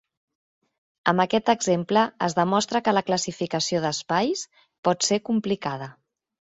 Amb aquest exemple es demostra que la classificació d'espais pot ser complicada.